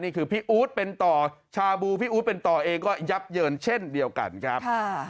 พี่อู๊ดเป็นต่อชาบูพี่อู๊ดเป็นต่อเองก็ยับเยินเช่นเดียวกันครับ